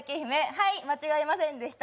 はい、間違えませんでした。